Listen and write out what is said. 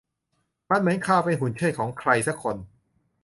มันเหมือนคาร์ลเป็นหุ่นเชิดของใครสักคน